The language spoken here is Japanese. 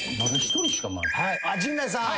陣内さん。